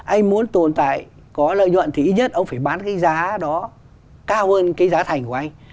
anh muốn tồn tại có lợi nhuận thì ít nhất ông phải bán cái giá đó cao hơn cái giá thành của anh